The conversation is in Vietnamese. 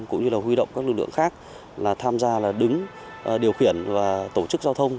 cũng như là huy động các lực lượng khác tham gia đứng điều khiển và tổ chức giao thông